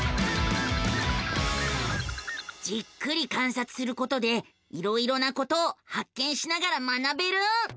じっくり観察することでいろいろなことを発見しながら学べる。